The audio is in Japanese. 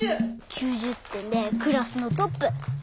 ９０てんでクラスのトップ。